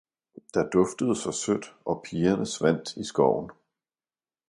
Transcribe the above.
Der duftede så sødt, og pigerne svandt i skoven.